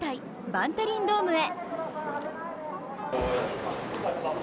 バンテリンドームへ。